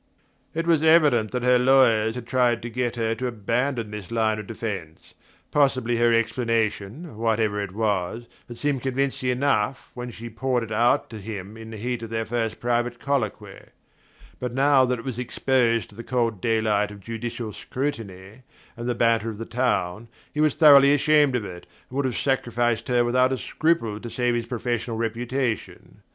........ It was evident that her lawyer tried to get her to abandon this line of defense. Possibly her explanation, whatever it was, had seemed convincing when she poured it out to him in the heat of their first private colloquy; but now that it was exposed to the cold daylight of judicial scrutiny, and the banter of the town, he was thoroughly ashamed of it, and would have sacrificed her without a scruple to save his professional reputation.